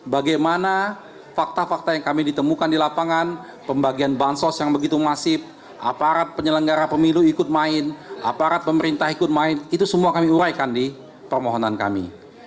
bagaimana fakta fakta yang kami ditemukan di lapangan pembagian bansos yang begitu masif aparat penyelenggara pemilu ikut main aparat pemerintah ikut main itu semua kami uraikan di permohonan kami